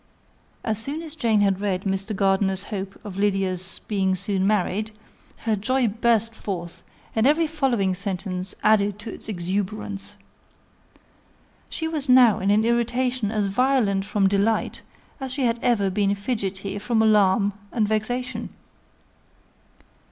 As soon as Jane had read Mr. Gardiner's hope of Lydia's being soon married, her joy burst forth, and every following sentence added to its exuberance. She was now in an irritation as violent from delight as she had ever been fidgety from alarm and vexation.